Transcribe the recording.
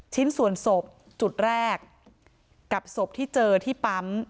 ชิ้นส่วนศพจุดแรกกับศพที่เจอที่ปั๊ม